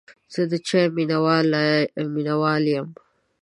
زه د چای مینهوال یم.